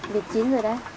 vịt chín rồi đấy